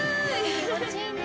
気持ちいいね。